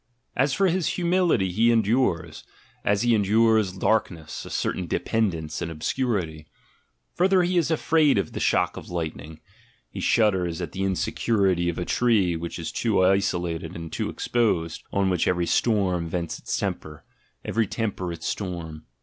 As for his humility, he endures, as he endures darkness, a certain dependence and obscurity: further, he is afraid of the shock of lightning, he shudders at the insecurity of a tree which is too isolated and too exposed, on which every storm vents its temper, every temper its storm.